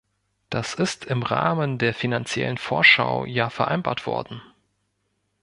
Das ist im Rahmen der Finanziellen Vorschau ja vereinbart worden.